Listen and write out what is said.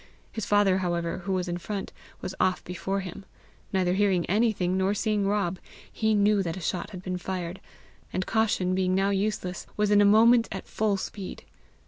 His father, however, who was in front, was off before him. Neither hearing anything, nor seeing Rob, he knew that a shot had been fired, and, caution being now useless, was in a moment at full speed.